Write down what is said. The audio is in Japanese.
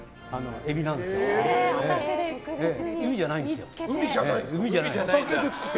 海じゃないんですよ。